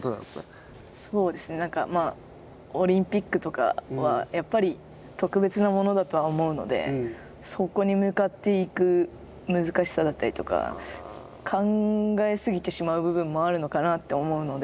オリンピックとかはやっぱり特別なものだとは思うので、そこに向かっていく難しさだったりとか、考え過ぎてしまう部分もあるのかなと思うので。